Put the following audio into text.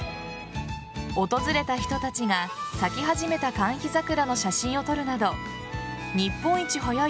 訪れた人たちが咲き始めたカンヒザクラの写真を撮るなど日本一早い？